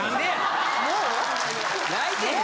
泣いてへんわ！